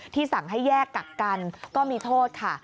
สั่งให้แยกกักกันก็มีโทษค่ะ